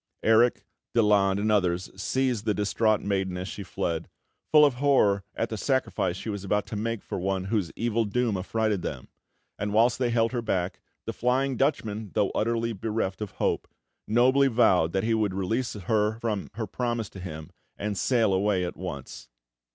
Erik, Daland, and others seized the distraught maiden as she fled, full of horror at the sacrifice she was about to make for one whose evil doom affrighted them; and whilst they held her back, the Flying Dutchman, though utterly bereft of hope, nobly vowed that he would release her from her promise to him, and sail away at once.